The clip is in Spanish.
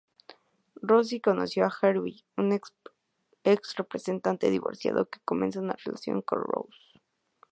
Rose conoce a Herbie, un ex representante divorciado que comienza una relación con Rose.